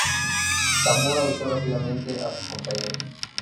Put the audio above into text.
Zamora aviso rápidamente a sus compañeros.